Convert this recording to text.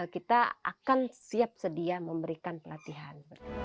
kita akan siap sedia memberikan pelatihan